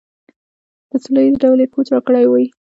په سوله ایز ډول یې کوچ راکړی وي.